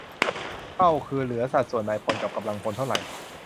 - เป้าคือเหลือสัดส่วนนายพลกับกำลังพลเท่าไหร่